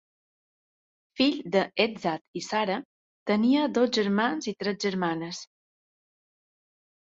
Fill de Ezzat i Sara, tenia dos germans i tres germanes.